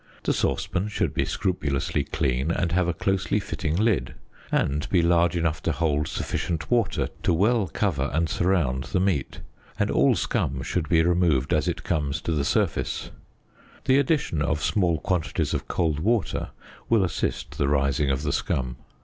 The saucepan should be scrupulously clean and have a closely fitting lid, and be large enough to hold sufficient water to well cover and surround the meat, and all scum should be removed as it comes to the surface; the addition of small quantities of cold water will assist the rising of the scum.